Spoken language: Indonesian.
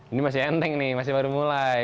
ini masih enteng nih masih baru mulai